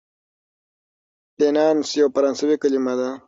فینانس یوه فرانسوي کلمه ده.